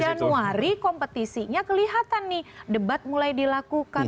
januari kompetisinya kelihatan nih debat mulai dilakukan